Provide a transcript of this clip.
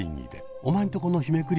お前んとこの日めくり